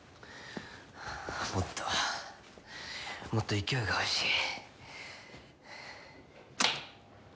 もっともっと勢いが欲しい。